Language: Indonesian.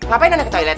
ngapain anda ke toilet